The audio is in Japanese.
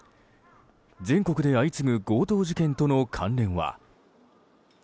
全国で相次ぐ強盗事件との関連は。